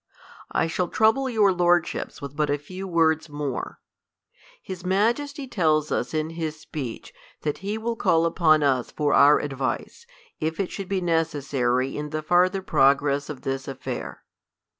I shall trouble your lordships with but a few words more. His Majesty tells us in his speech, that he will c^Uupon us for our advice, if it should be necessary in the farther progress of this affair.